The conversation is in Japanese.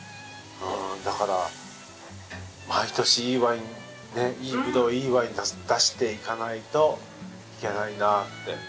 だから毎年いいワインいいブドウいいワイン出していかないといけないなって。